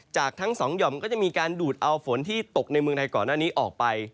จากทั้งสองหย่อมก็จะมีการดูดเอาฝนที่ตกในเมืองไทยก่อนหน้านี้ออกไป